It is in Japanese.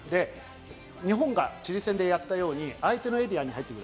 日本がチリ戦でやったように相手のエリアに入っていく。